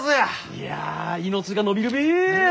いや命が延びるべえ！